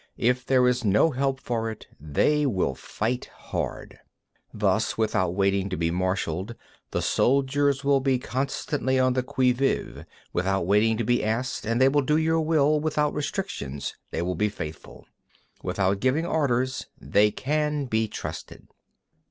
If there is no help for it, they will fight hard. 25. Thus, without waiting to be marshalled, the soldiers will be constantly on the qui vive; without waiting to be asked, they will do your will; without restrictions, they will be faithful; without giving orders, they can be trusted.